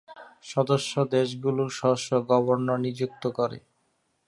সদস্য দেশগুলো স্ব-স্ব গভর্নর নিযুক্ত করে।